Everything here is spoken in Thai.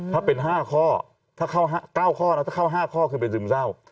ถ้าเป็น๕ข้อถ้าเข้า๙ข้อนะถ้าเข้า๕ข้อคือเป็นซึมเศร้า